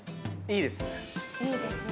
いいですね。